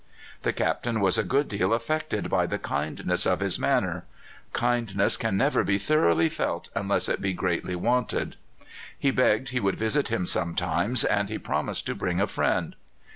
The Captain was a good deal affected by the kindness of his manner. Kindness can never be thoroughly felt unless it be greatly wanted. He begged he would visit him sometimes, and he promised to bring a friend.